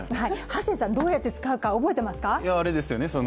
ハセンさん、どうやって使うか覚えていますか？